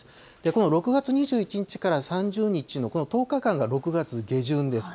この６月２１日から３０日のこの１０日間が６月下旬です。